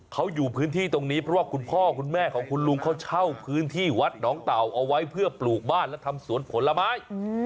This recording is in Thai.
เขาอยู่พื้นที่ตรงนี้เพราะว่าคุณพ่อคุณแม่ของคุณลุงเขาเช่าพื้นที่วัดหนองเต่าเอาไว้เพื่อปลูกบ้านและทำสวนผลไม้